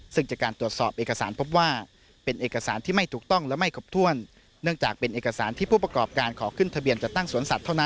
ซึ่งจากการตรวจสอบเอกสารพบว่าเป็นเอกสารที่ไม่ถูกต้องและไม่ครบถ้วน